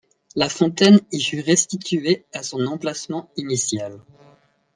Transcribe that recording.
La fontaine y fut restituée à son emplacement initial.